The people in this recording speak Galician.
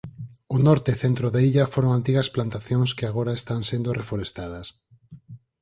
O norte e centro da illa foron antigas plantacións que agora están sendo reforestadas.